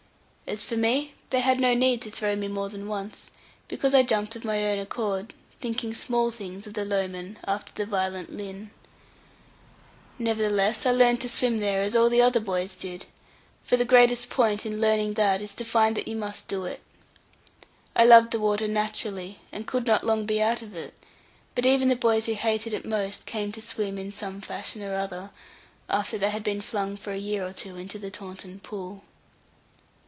As for me, they had no need to throw me more than once, because I jumped of my own accord, thinking small things of the Lowman, after the violent Lynn. Nevertheless, I learnt to swim there, as all the other boys did; for the greatest point in learning that is to find that you must do it. I loved the water naturally, and could not long be out of it; but even the boys who hated it most, came to swim in some fashion or other, after they had been flung for a year or two into the Taunton pool.